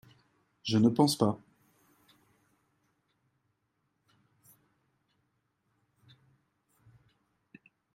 Je ne pense pas.